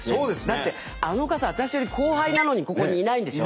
だってあの方私より後輩なのにここにいないんでしょ？